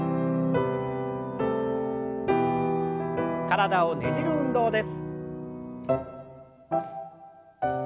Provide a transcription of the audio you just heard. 体をねじる運動です。